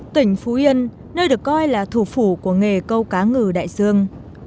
tỉnh phú yên nơi được coi là thủ phủ của nghề câu cá ngừ đại dương